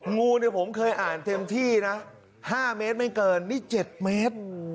งูเนี่ยผมเคยอ่านเต็มที่นะ๕เมตรไม่เกินนี่๗เมตร